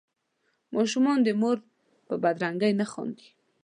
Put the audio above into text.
ماشومان د مور په بدرنګۍ نه خاندي.